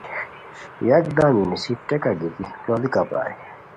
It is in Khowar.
یکدم یی نیسی ٹیکہ گیتی لوڑیکہ پرائے